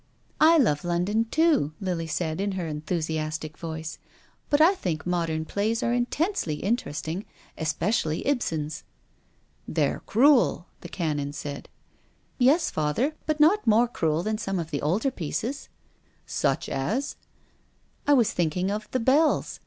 " I love London, too," Lily said, in her enthu siastic voice, " but I think modern plays are in tensely interesting, especially Ibsen's." " They're cruel," the Canon said. " Yes, father, but not more cruel than some of the older pieces." " Such as —?"" I was thinking of ' The Bells.'